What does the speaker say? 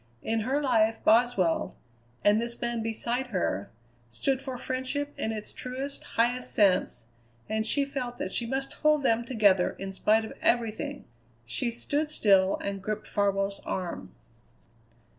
In her life Boswell, and this man beside her, stood for friendship in its truest, highest sense, and she felt that she must hold them together in spite of everything. She stood still and gripped Farwell's arm.